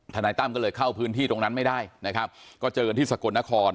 นายตั้มก็เลยเข้าพื้นที่ตรงนั้นไม่ได้นะครับก็เจอกันที่สกลนคร